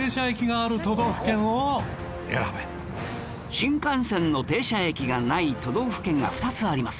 新幹線の停車駅がない都道府県が２つあります